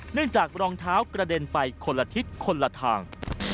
จากรองเท้ากระเด็นไปคนละทิศคนละทาง